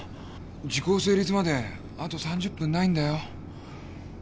時効成立まであと３０分ないんだよ。